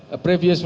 hanya begitu saja